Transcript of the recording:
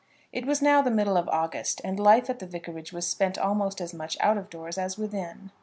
It was now the middle of August, and life at the vicarage was spent almost as much out of doors as within.